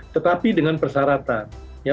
tetapi dengan persyaratan ya